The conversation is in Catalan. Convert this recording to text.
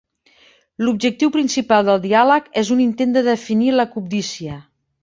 L'objectiu principal del diàleg és un intent de definir la cobdícia.